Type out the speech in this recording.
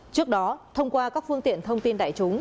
trước đó thông qua các phương tiện thông tin đại chúng